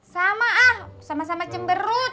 sama ah sama sama cemberut